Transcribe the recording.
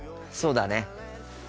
そうだね。